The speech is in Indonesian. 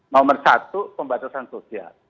nomor satu pembatasan sosial